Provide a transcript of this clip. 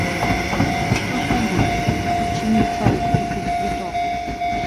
Што ж рабіць, каб адчыніць сайт і купіць квіток?